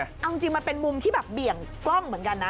เอาจริงมันเป็นมุมที่แบบเบี่ยงกล้องเหมือนกันนะ